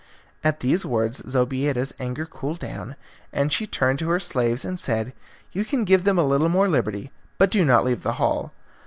At these words Zobeida's anger cooled down, and she turned to her slaves and said, "You can give them a little more liberty, but do not leave the hall.